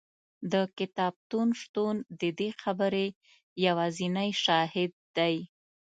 د کتابتون شتون د دې خبرې یوازینی شاهد دی.